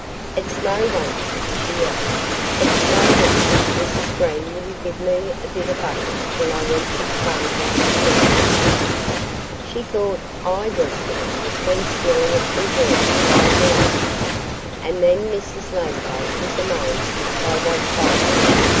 "It's no wonder " she added "it's no wonder Mrs. Green wouldn't give me a bit of butter when I went to the farmhouse yesterday. She thought I was the one that's been stealing it from her, right along." And then Mrs. Ladybug was amazed by what followed.